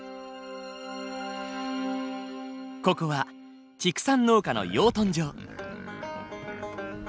ここは畜産農家の養豚場。